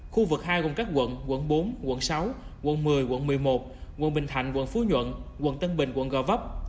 khu vực hai gồm các quận quận bốn quận sáu quận một mươi quận một mươi một quận bình thạnh quận phú nhuận quận tân bình quận gò vấp